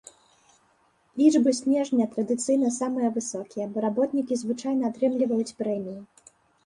Лічбы снежня традыцыйна самыя высокія, бо работнікі звычайна атрымліваюць прэміі.